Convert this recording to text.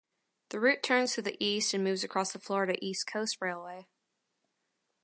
The route turns to the east and moves across the Florida East Coast Railway.